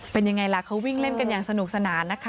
เป็นยังไงล่ะเขาวิ่งเล่นกันอย่างสนุกสนานนะคะ